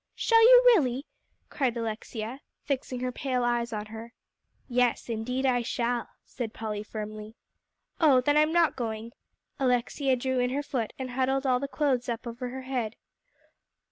"Shall you really?" cried Alexia, fixing her pale eyes on her. "Yes, indeed I shall," said Polly firmly. "Oh, then I'm not going." Alexia drew in her foot, and huddled all the clothes up over her head.